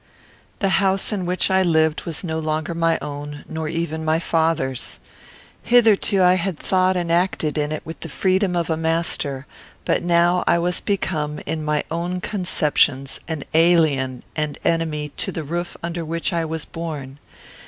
The house in which I lived was no longer my own, nor even my father's. Hitherto I had thought and acted in it with the freedom of a master; but now I was become, in my own conceptions, an alien and an enemy to the roof under which I was born.